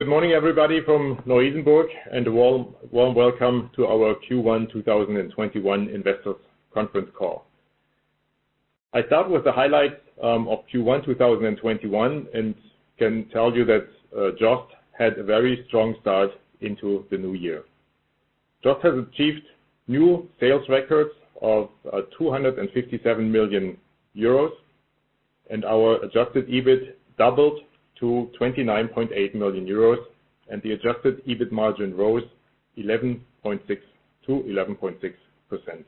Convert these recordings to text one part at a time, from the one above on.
Good morning everybody from Neu-Isenburg. A warm welcome to our Q1 2021 Investors Conference Call. I start with the highlights of Q1 2021, and can tell you that JOST had a very strong start into the new year. JOST has achieved new sales records of 257 million euros, and our Adjusted EBIT doubled to 29.8 million euros. The Adjusted EBIT margin rose to 11.6%.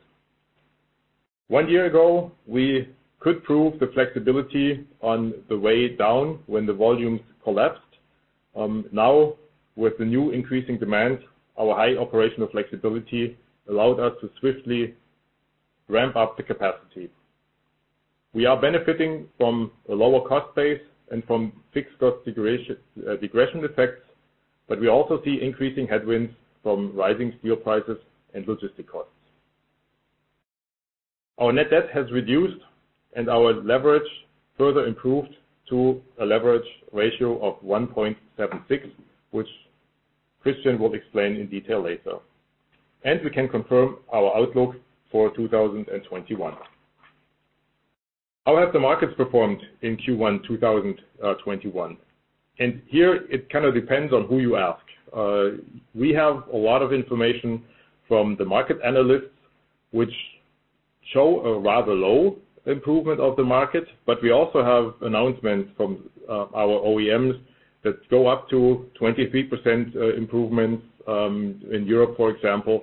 One year ago, we could prove the flexibility on the way down when the volumes collapsed. Now, with the new increasing demand, our high operational flexibility allowed us to swiftly ramp up the capacity. We are benefiting from a lower cost base and from fixed cost regression effects, but we also see increasing headwinds from rising steel prices and logistic costs. Our Net Debt has reduced, and our leverage further improved to a Leverage Ratio of 1.76, which Christian will explain in detail later. We can confirm our outlook for 2021. How have the markets performed in Q1 2021? Here it depends on who you ask. We have a lot of information from the market analysts, which show a rather low improvement of the market, but we also have announcements from our OEMs that go up to 23% improvements in Europe, for example.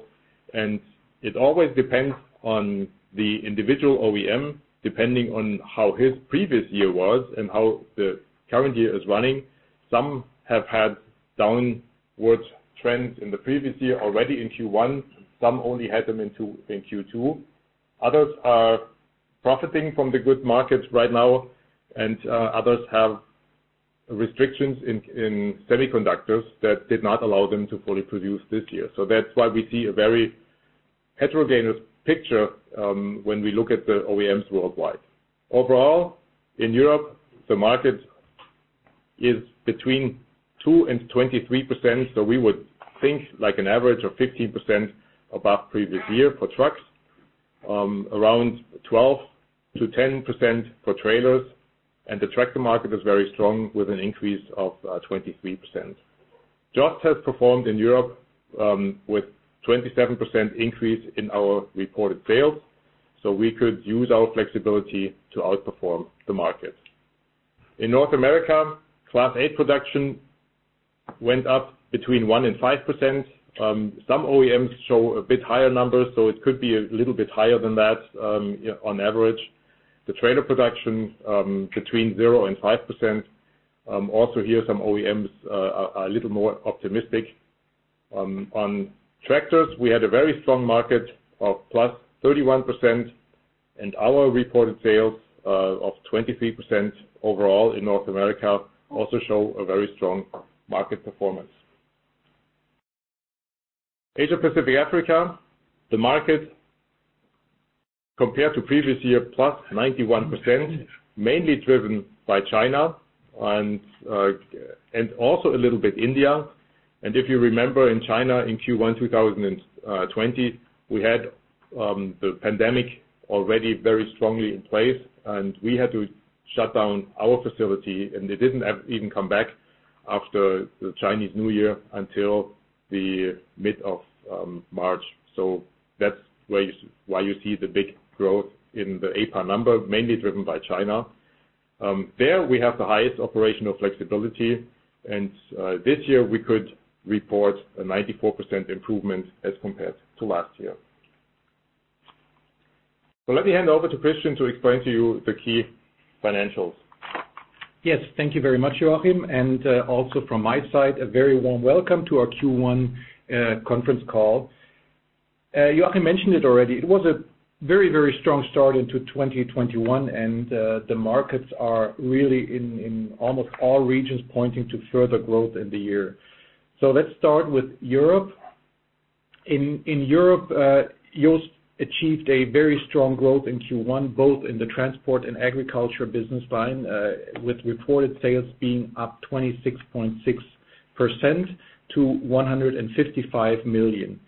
It always depends on the individual OEM, depending on how his previous year was and how the current year is running. Some have had downwards trends in the previous year already in Q1. Some only had them in Q2. Others are profiting from the good markets right now, and others have restrictions in semiconductors that did not allow them to fully produce this year. That's why we see a very heterogeneous picture when we look at the OEMs worldwide. Overall, in Europe, the market is between 2%-23%, so we would think like an average of 15% above previous year for trucks. Around 12%-10% for trailers. The tractor market is very strong with an increase of 23%. JOST has performed in Europe, with 27% increase in our reported sales, so we could use our flexibility to outperform the market. In North America, Class eight production went up between 1%-5%. Some OEMs show a bit higher numbers, so it could be a little bit higher than that, on average. The trailer production, between 0%-5%. Also here, some OEMs are a little more optimistic. On tractors, we had a very strong market of +31%, and our reported sales of 23% overall in North America also show a very strong market performance. Asia-Pacific Africa, the market compared to previous year, +91%, mainly driven by China and also a little bit India. If you remember in China in Q1 2020, we had the pandemic already very strongly in place and we had to shut down our facility, and they didn't even come back after the Chinese New Year until the mid of March. That's why you see the big growth in the APA number, mainly driven by China. There we have the highest operational flexibility, and this year we could report a 94% improvement as compared to last year. Let me hand over to Christian to explain to you the key financials. Yes. Thank you very much, Joachim. Also from my side, a very warm welcome to our Q1 conference call. Joachim mentioned it already. It was a very strong start into 2021, and the markets are really in almost all regions pointing to further growth in the year. Let's start with Europe. In Europe, JOST achieved a very strong growth in Q1, both in the transport and agriculture business line, with reported sales being up 26.6% to 155 million.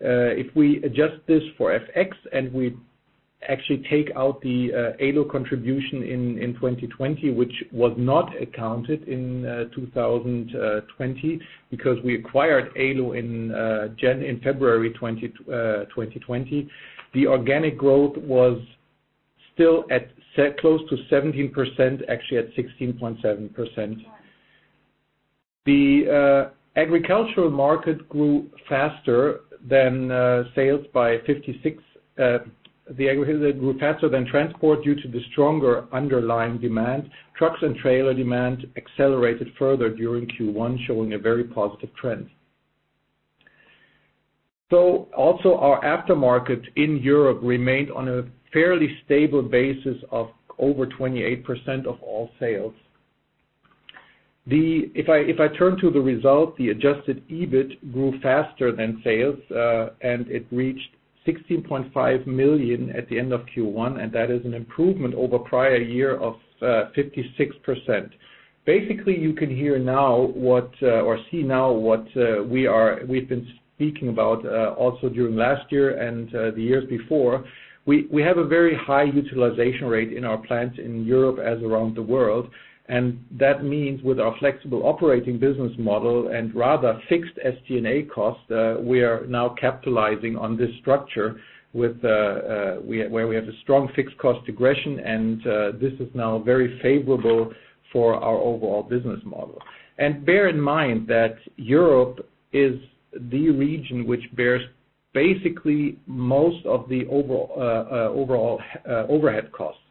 If we adjust this for FX and we actually take out the Ålö contribution in 2020, which was not accounted in 2020 because we acquired Ålö in February 2020, the organic growth was still at close to 17%, actually at 16.7%. The agricultural market grew faster than transport due to the stronger underlying demand. Trucks and trailer demand accelerated further during Q1, showing a very positive trend. Also our aftermarket in Europe remained on a fairly stable basis of over 28% of all sales. If I turn to the result, the Adjusted EBIT grew faster than sales, and it reached 16.5 million at the end of Q1, and that is an improvement over prior year of 56%. You can see now what we've been speaking about also during last year and the years before. We have a very high utilization rate in our plants in Europe as around the world, and that means with our flexible operating business model and rather fixed SG&A cost, we are now capitalizing on this structure where we have a strong fixed cost aggression, and this is now very favorable for our overall business model. Bear in mind that Europe is the region which bears basically most of the overhead costs.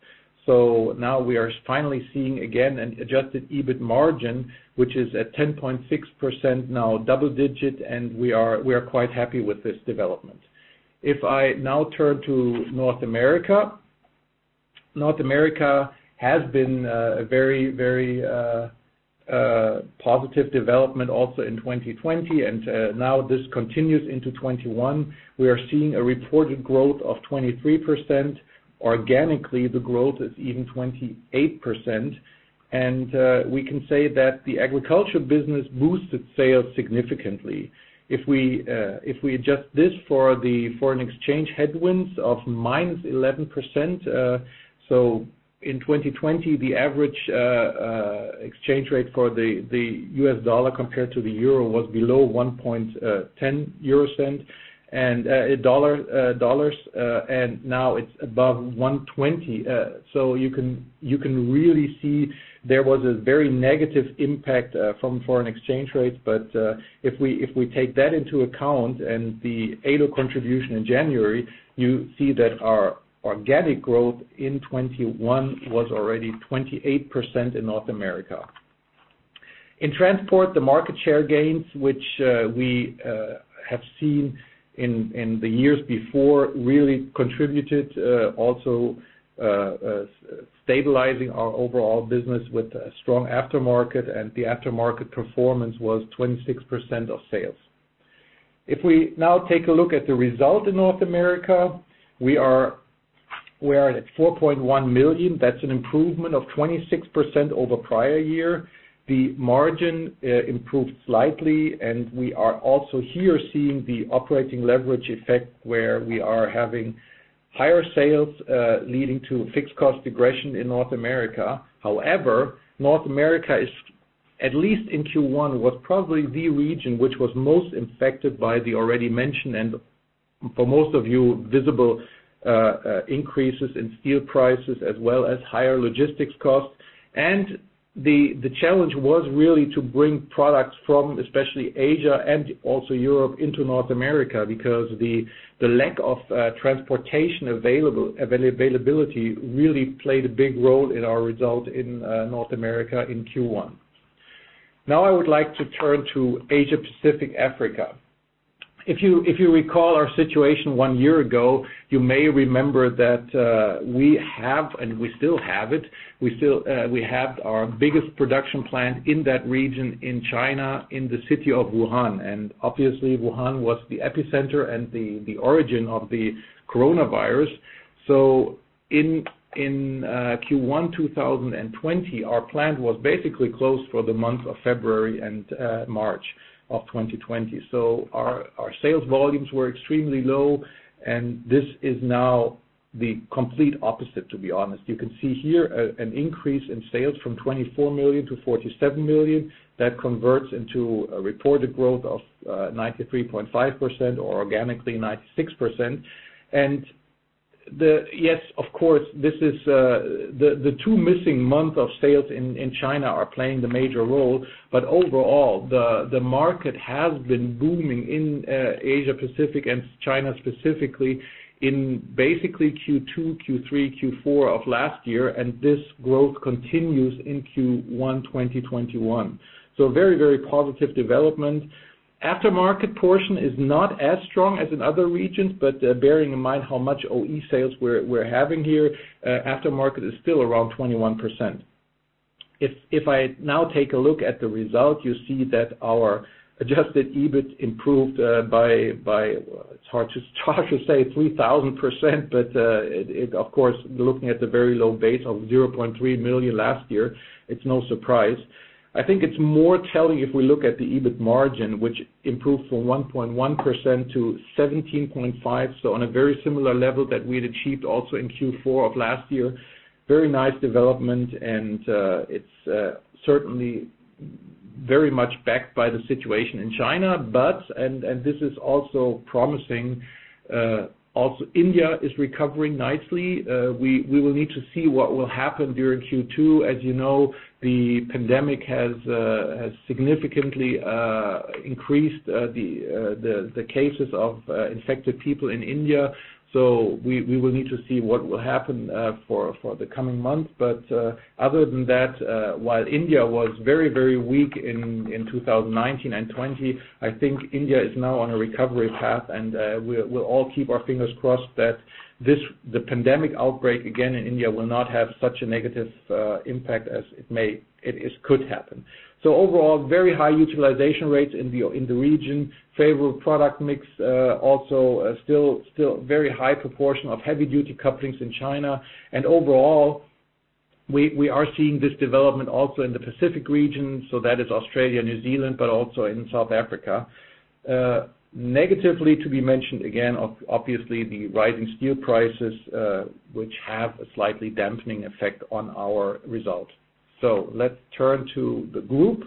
Now we are finally seeing, again, an Adjusted EBIT margin, which is at 10.6% now double digit, and we are quite happy with this development. If I now turn to North America. North America has been a very positive development also in 2020, and now this continues into 2021. We are seeing a reported growth of 23%. Organically, the growth is even 28%, and we can say that the agriculture business boosted sales significantly. If we adjust this for the foreign exchange headwinds of -11%, in 2020, the average exchange rate for the US dollar compared to the EUR was below $1.10, and now it's above $1.20. You can really see there was a very negative impact from foreign exchange rates. If we take that into account and the Ålö contribution in January, you see that our organic growth in 2021 was already 28% in North America. In transport, the market share gains, which we have seen in the years before, really contributed, also, stabilizing our overall business with a strong aftermarket. The aftermarket performance was 26% of sales. If we now take a look at the result in North America, we are at 4.1 million. That's an improvement of 26% over prior year. The margin improved slightly, and we are also here seeing the operating leverage effect where we are having higher sales, leading to fixed cost aggression in North America. However, North America is, at least in Q1, was probably the region which was most affected by the already mentioned, and for most of you, visible increases in steel prices as well as higher logistics costs. The challenge was really to bring products from especially Asia and also Europe into North America because the lack of transportation availability really played a big role in our result in North America in Q1. I would like to turn to Asia-Pacific Africa. If you recall our situation one year ago, you may remember that we have, and we still have it, we have our biggest production plant in that region in China, in the city of Wuhan. Obviously Wuhan was the epicenter and the origin of the coronavirus. In Q1 2020, our plant was basically closed for the month of February and March of 2020. Our sales volumes were extremely low, and this is now the complete opposite, to be honest. You can see here an increase in sales from 24 million to 47 million. That converts into a reported growth of 93.5% or organically 96%. Yes, of course, the two missing months of sales in China are playing the major role. Overall, the market has been booming in Asia Pacific and China, specifically in basically Q2, Q3, Q4 of last year, and this growth continues in Q1 2021. Very positive development. Aftermarket portion is not as strong as in other regions, but bearing in mind how much OE sales we're having here, aftermarket is still around 21%. If I now take a look at the result, you see that our Adjusted EBIT improved by, it's hard to say 3,000%, but, of course, looking at the very low base of 0.3 million last year, it's no surprise. I think it's more telling if we look at the EBIT margin, which improved from 1.1% to 17.5%, so on a very similar level that we'd achieved also in Q4 of last year. Very nice development, and it's certainly very much backed by the situation in China, but, and this is also promising, also India is recovering nicely. We will need to see what will happen during Q2. As you know, the pandemic has significantly increased the cases of infected people in India. We will need to see what will happen for the coming months. Other than that, while India was very weak in 2019 and 2020, I think India is now on a recovery path, and we'll all keep our fingers crossed that the pandemic outbreak again in India will not have such a negative impact as it could happen. Overall, very high utilization rates in the region. Favorable product mix, also still very high proportion of heavy-duty couplings in China. We are seeing this development also in the Pacific region, so that is Australia, New Zealand, but also in South Africa. Negatively to be mentioned again, obviously the rising steel prices, which have a slightly dampening effect on our result. Let's turn to the group.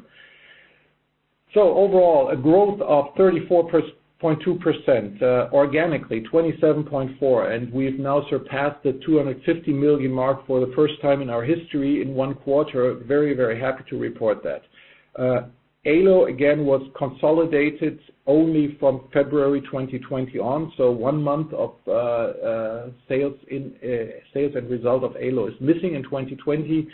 Overall, a growth of 34.2%, organically 27.4%, and we've now surpassed the 250 million mark for the first time in our history in one quarter. Very happy to report that. Ålö, again, was consolidated only from February 2020 on, so one month of sales and result of Ålö is missing in 2020,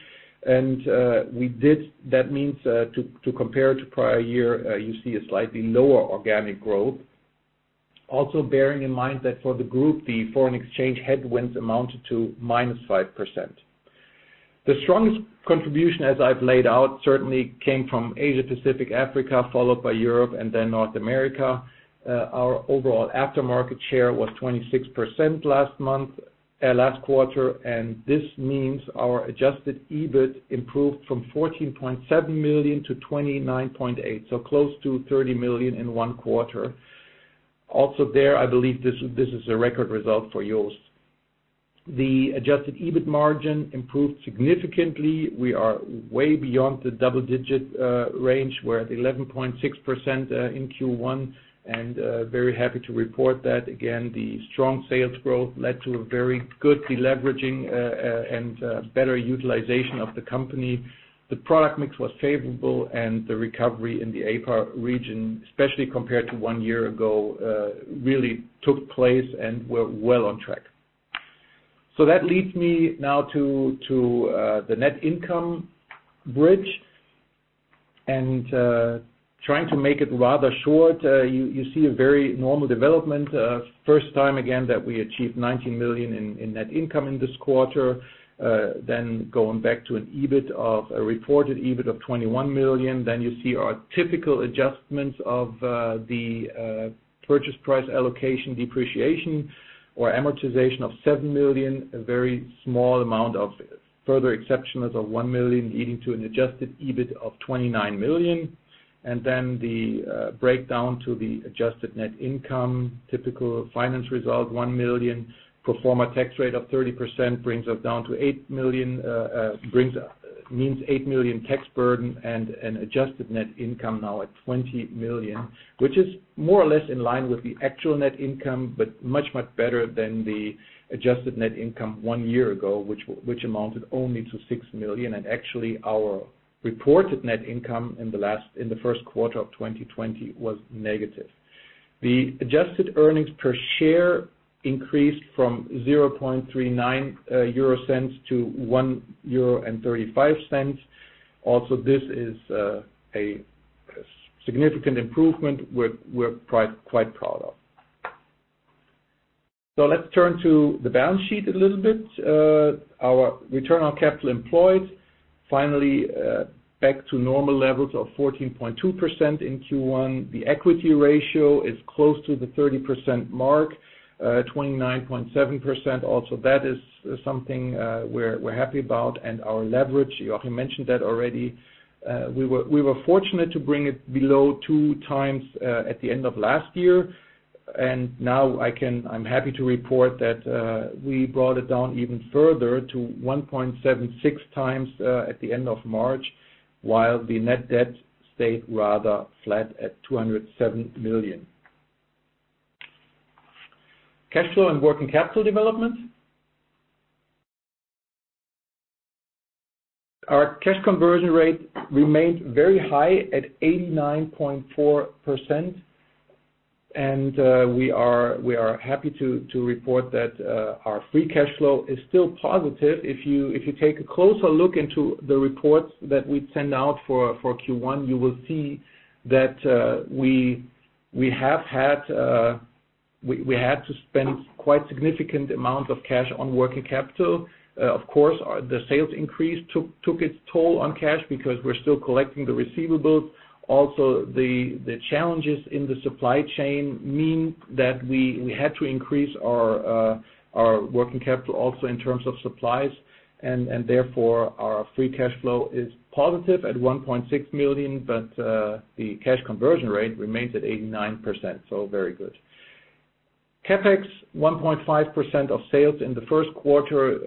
that means to compare to prior year, you see a slightly lower organic growth. Bearing in mind that for the group, the foreign exchange headwinds amounted to minus 5%. The strongest contribution, as I've laid out, certainly came from Asia, Pacific, Africa, followed by Europe and then North America. Our overall aftermarket share was 26% last quarter. This means our Adjusted EBIT improved from 14.7 million to 29.8 million, so close to 30 million in one quarter. There, I believe this is a record result for JOST. The Adjusted EBIT margin improved significantly. We are way beyond the double-digit range. We're at 11.6% in Q1. Very happy to report that. Again, the strong sales growth led to a very good deleveraging and better utilization of the company. The product mix was favorable and the recovery in the APA region, especially compared to one year ago, really took place and we're well on track. That leads me now to the net income bridge. Trying to make it rather short, you see a very normal development. First time, again, that we achieved 19 million in net income in this quarter. Going back to a reported EBIT of 21 million. You see our typical adjustments of the Purchase Price Allocation depreciation or amortization of seven million, a very small amount of further exceptionals of one million, leading to an Adjusted EBIT of 29 million. The breakdown to the adjusted net income, typical finance result, one million. Pro forma tax rate of 30% brings us down to 8 million, means 8 million tax burden and an Adjusted net income now at 20 million, which is more or less in line with the actual net income, but much better than the Adjusted net income one year ago, which amounted only to 6 million. Actually, our reported net income in the first quarter of 2020 was negative. The Adjusted earnings per share increased from 0.39 to 1.35 euro. This is a significant improvement we're quite proud of. Let's turn to the balance sheet a little bit. Our Return on Capital Employed, finally back to normal levels of 14.2% in Q1. The equity ratio is close to the 30% mark, 29.7%. That is something we're happy about. Our leverage, Joachim mentioned that already. We were fortunate to bring it below two times at the end of last year. Now I'm happy to report that we brought it down even further to 1.76 times at the end of March, while the net debt stayed rather flat at 207 million. Cash flow and working capital development. Our Cash Conversion Rate remained very high at 89.4%. We are happy to report that our free cash flow is still positive. If you take a closer look into the reports that we send out for Q1, you will see that we had to spend quite significant amount of cash on working capital. Of course, the sales increase took its toll on cash because we're still collecting the receivables. The challenges in the supply chain mean that we had to increase our working capital also in terms of supplies, and therefore, our free cash flow is positive at 1.6 million, but the Cash Conversion Rate remains at 89%, very good. CapEx, 1.5% of sales in the first quarter.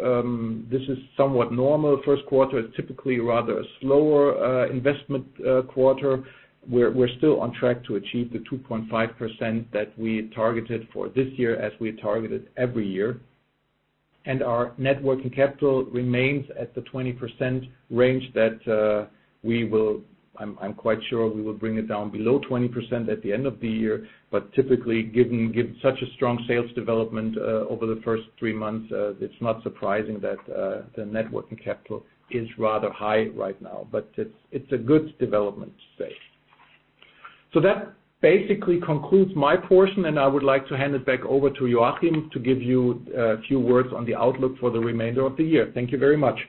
This is somewhat normal. First quarter is typically rather a slower investment quarter. We're still on track to achieve the 2.5% that we targeted for this year, as we targeted every year. Our net working capital remains at the 20% range that I'm quite sure we will bring it down below 20% at the end of the year. Typically, given such a strong sales development over the first three months, it's not surprising that the net working capital is rather high right now. It's a good development, say. That basically concludes my portion, and I would like to hand it back over to Joachim to give you a few words on the outlook for the remainder of the year. Thank you very much.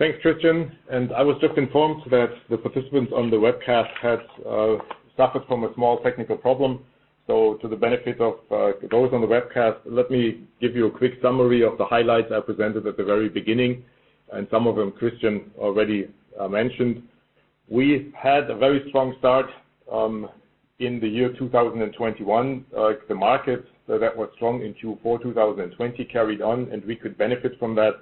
Thanks, Christian. I was just informed that the participants on the webcast had suffered from a small technical problem. To the benefit of those on the webcast, let me give you a quick summary of the highlights I presented at the very beginning, and some of them Christian already mentioned. We had a very strong start in the year 2021. The market that was strong in Q4 2020 carried on, we could benefit from that.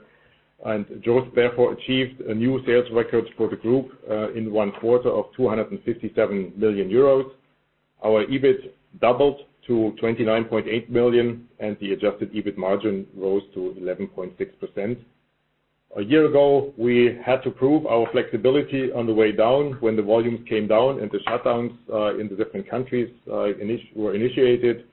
JOST therefore achieved a new sales record for the group in one quarter of 257 million euros. Our EBIT doubled to 29.8 million, and the Adjusted EBIT margin rose to 11.6%. A year ago, we had to prove our flexibility on the way down, when the volumes came down and the shutdowns in the different countries were initiated.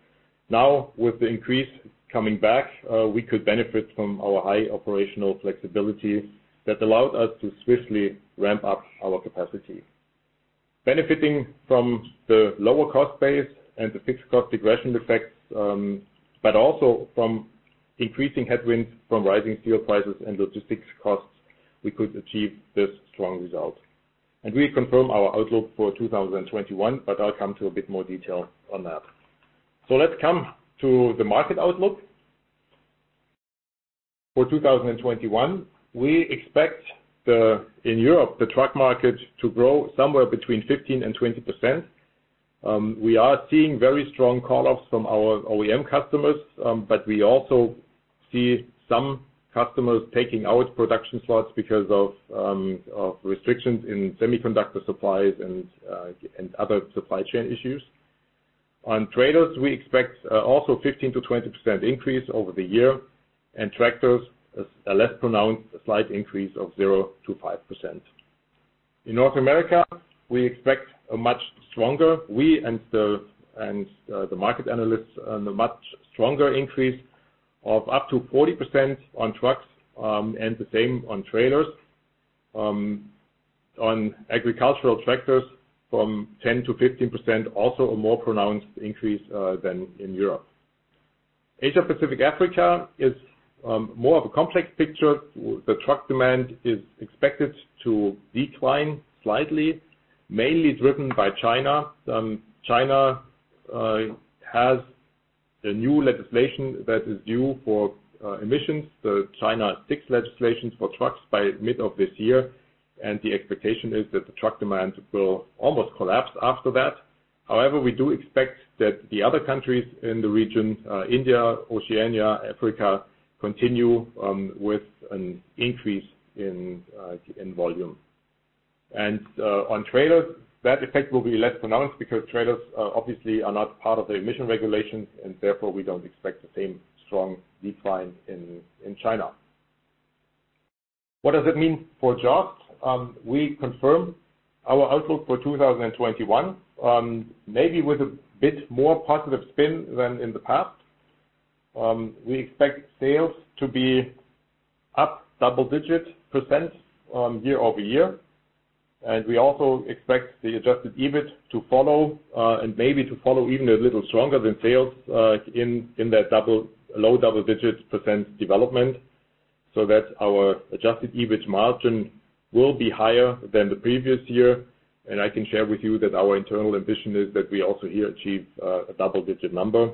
With the increase coming back, we could benefit from our high operational flexibility that allowed us to swiftly ramp up our capacity. Benefiting from the lower cost base and the fixed cost regression effects, but also from increasing headwinds from rising steel prices and logistics costs, we could achieve this strong result. We confirm our outlook for 2021, but I'll come to a bit more detail on that. Let's come to the market outlook. For 2021, we expect, in Europe, the truck market to grow somewhere between 15%-20%. We are seeing very strong call-offs from our OEM customers, but we also see some customers taking out production slots because of restrictions in semiconductor supplies and other supply chain issues. On trailers, we expect also 15%-20% increase over the year. Tractors, a less pronounced, a slight increase of 0%-5%. In North America, we expect a much stronger, we and the market analysts, a much stronger increase of up to 40% on trucks, and the same on trailers. On agricultural tractors, from 10% to 15%, also a more pronounced increase than in Europe. Asia-Pacific/Africa is more of a complex picture. The truck demand is expected to decline slightly, mainly driven by China. China has a new legislation that is due for emissions, the China VI legislations for trucks by mid of this year. The expectation is that the truck demand will almost collapse after that. However, we do expect that the other countries in the region, India, Oceania, Africa, continue with an increase in volume. On trailers, that effect will be less pronounced because trailers obviously are not part of the emission regulations, and therefore, we don't expect the same strong decline in China. What does it mean for JOST? We confirm our outlook for 2021, maybe with a bit more positive spin than in the past. We expect sales to be up double-digit % year-over-year. We also expect the Adjusted EBIT to follow, and maybe to follow even a little stronger than sales, in that low double-digit % development, so that our Adjusted EBIT margin will be higher than the previous year. I can share with you that our internal ambition is that we also here achieve a double-digit number.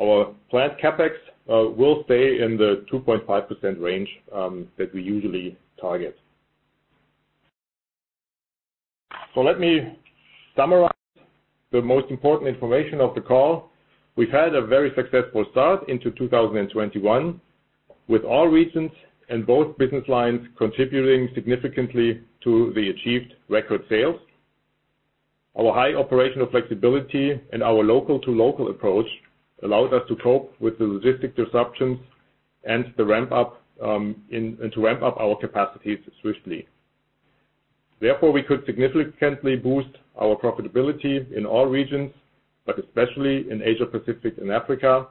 Our plant CapEx will stay in the 2.5% range that we usually target. Let me summarize the most important information of the call. We've had a very successful start into 2021, with all regions and both business lines contributing significantly to the achieved record sales. Our high operational flexibility and our local for local approach allowed us to cope with the logistic disruptions and to ramp up our capacities swiftly. Therefore, we could significantly boost our profitability in all regions, but especially in Asia-Pacific and Africa,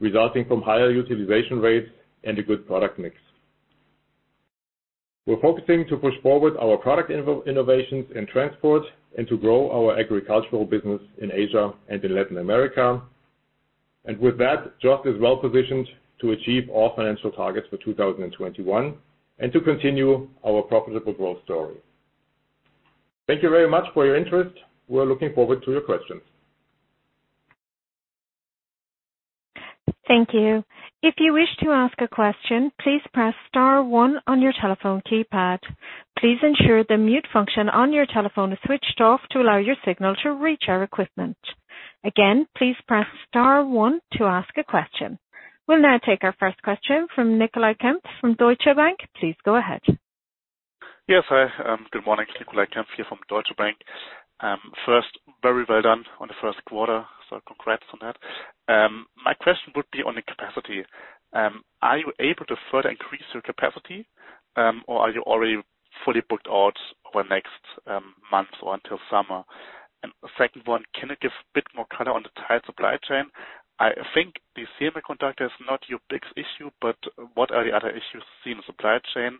resulting from higher utilization rates and a good product mix. We're focusing to push forward our product innovations in transport and to grow our agricultural business in Asia and in Latin America. With that, JOST is well-positioned to achieve all financial targets for 2021 and to continue our profitable growth story. Thank you very much for your interest. We're looking forward to your questions. Thank you. If you wish to ask a question, please press star one on your telephone keypad. Please ensure the mute function on your telephone is switched off to allow your signal to reach our equipment. Again, please press star one to ask a question. We will now take our first question from Nicolai Kempf from Deutsche Bank. Please go ahead. Yes, hi. Good morning. Nicolai Kempf here from Deutsche Bank. First, very well done on the first quarter, so congrats on that. My question would be on the capacity. Are you able to further increase your capacity, or are you already fully booked out over next month or until summer? Second one, can you give a bit more color on the tight supply chain? I think the semiconductor is not your biggest issue, but what are the other issues seen in supply chain?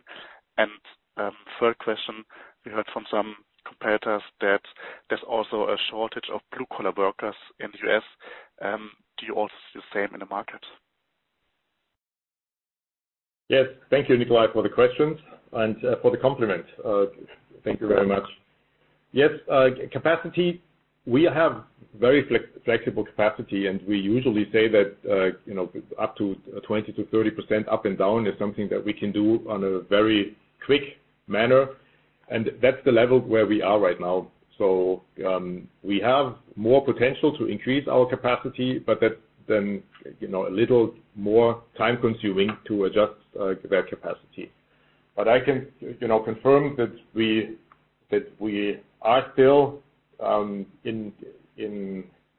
Third question, we heard from some competitors that there's also a shortage of blue-collar workers in the U.S. Do you also see the same in the market? Yes. Thank you, Nicolai, for the questions and for the compliment. Thank you very much. Yes, capacity, we have very flexible capacity. We usually say that up to 20%-30% up and down is something that we can do on a very quick manner. That's the level where we are right now. We have more potential to increase our capacity. That's then a little more time-consuming to adjust that capacity. I can confirm that we are still in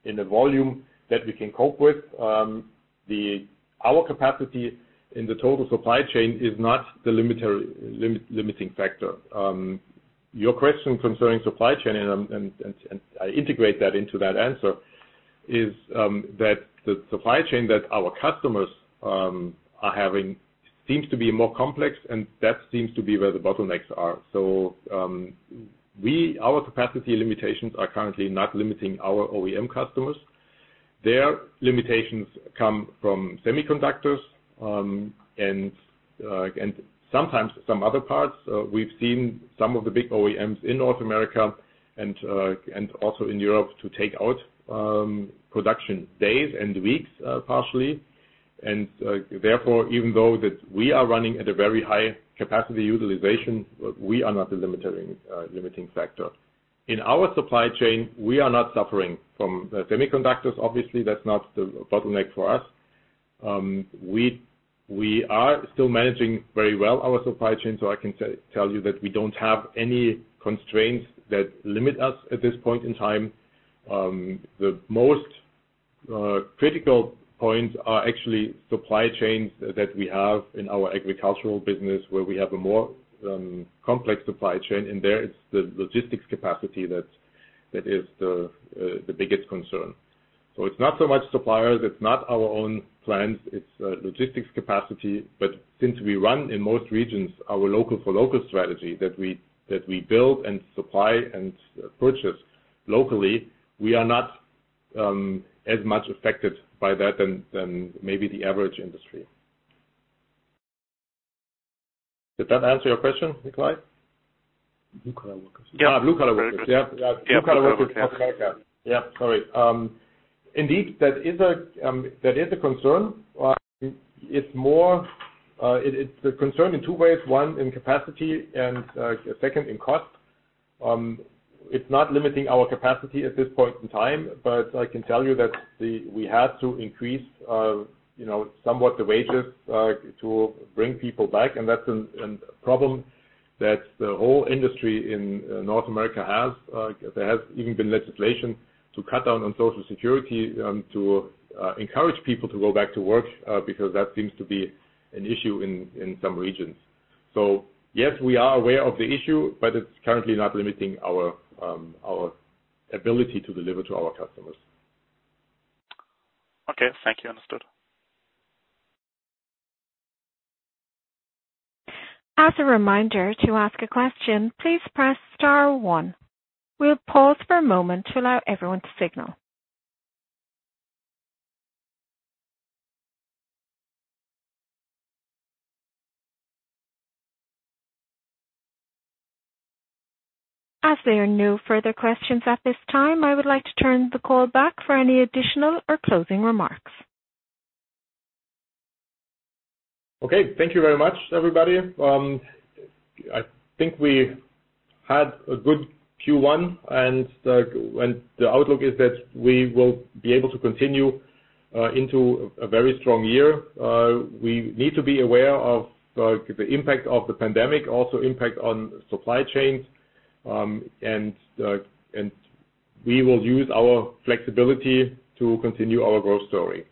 the volume that we can cope with. Our capacity in the total supply chain is not the limiting factor. Your question concerning supply chain. I integrate that into that answer, is that the supply chain that our customers are having seems to be more complex. That seems to be where the bottlenecks are. Our capacity limitations are currently not limiting our OEM customers. Their limitations come from semiconductors, and sometimes some other parts. We've seen some of the big OEMs in North America and also in Europe to take out production days and weeks partially. Therefore, even though that we are running at a very high capacity utilization, we are not the limiting factor. In our supply chain, we are not suffering from semiconductors. Obviously, that's not the bottleneck for us. We are still managing very well our supply chain, so I can tell you that we don't have any constraints that limit us at this point in time. The most critical points are actually supply chains that we have in our agricultural business, where we have a more complex supply chain. In there, it's the logistics capacity that is the biggest concern. It's not so much suppliers, it's not our own plans, it's logistics capacity. Since we run in most regions, our local for local strategy that we build and supply and purchase locally, we are not as much affected by that than maybe the average industry. Did that answer your question, Nicolai? Blue-collar workers. Yeah, blue-collar workers. Yeah. Yeah. Blue-collar workers, yes. Blue-collar workers in North America. Yeah, sorry. Indeed, that is a concern. It's a concern in two ways, one, in capacity and second, in cost. It's not limiting our capacity at this point in time, but I can tell you that we had to increase somewhat the wages to bring people back, and that's a problem that the whole industry in North America has. There has even been legislation to cut down on Social Security to encourage people to go back to work, because that seems to be an issue in some regions. Yes, we are aware of the issue, but it's currently not limiting our ability to deliver to our customers. Okay, thank you. Understood. As a reminder, to ask a question, please press star one. We'll pause for a moment to allow everyone to signal. As there are no further questions at this time, I would like to turn the call back for any additional or closing remarks. Okay. Thank you very much, everybody. I think we had a good Q1. The outlook is that we will be able to continue into a very strong year. We need to be aware of the impact of the pandemic, also impact on supply chains. We will use our flexibility to continue our growth story.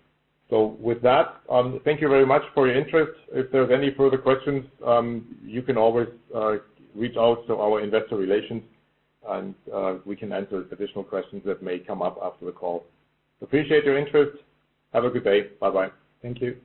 With that, thank you very much for your interest. If there's any further questions, you can always reach out to our investor relations. We can answer additional questions that may come up after the call. Appreciate your interest. Have a good day. Bye-bye. Thank you.